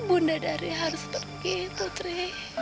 bunda dari harus pergi putri